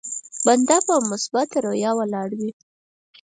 بنده په مثبته رويه ولاړ وي.